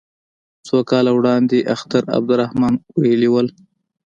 څو کاله وړاندې اختر عبدالرحمن ویلي وو.